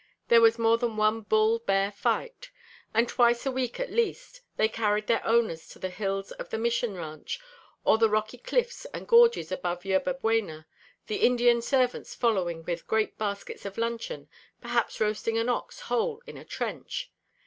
There was more than one bull bear fight, and twice a week at least they carried their owners to the hills of the Mission ranch, or the rocky cliffs and gorges above Yerba Buena, the Indian servants following with great baskets of luncheon, perhaps roasting an ox whole in a trench.